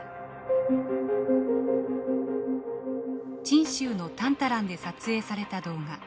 チン州のタンタランで撮影された動画。